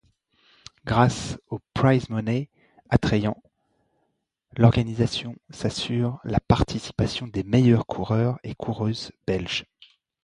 Grâce au prize-money attrayant, l'organisation s'assure la participation des meilleurs coureurs et coureuses belges.